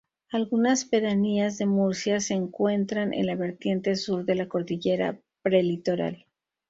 Algunas pedanías de Murcia se encuentran en la vertiente sur de la cordillera prelitoral.